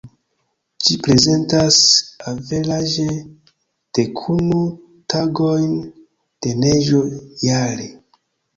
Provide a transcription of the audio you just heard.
Ĝi prezentas averaĝe, dekunu tagojn de neĝo jare.